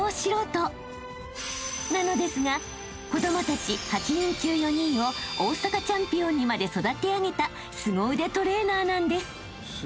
［なのですが子供たち８人中４人を大阪チャンピオンにまで育て上げたすご腕トレーナーなんです］